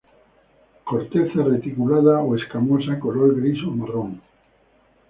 Corteza reticulada o escamosa, color gris o marrón.